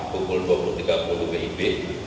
pukul dua puluh tiga puluh wib